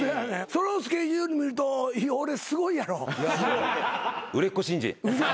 そのスケジュール見ると飯尾俺すごいやろ？売れっ子新人。